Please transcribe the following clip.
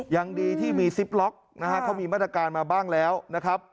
ยังดีที่มีซิปล็อกนะฮะเขามีมาตรการมาบ้างแล้วนะครับ